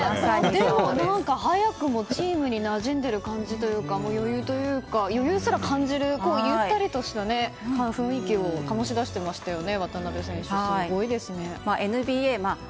でも早くもチームになじんでいる感じというか余裕すら感じる、ゆったりとした雰囲気を醸し出してましたよね。